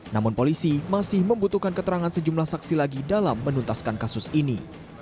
namun polisi masih membutuhkan keterangan sejumlah saksi lagi dalam menuntaskan kasus ini